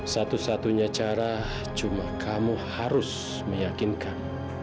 satu satunya cara cuma kamu harus meyakinkan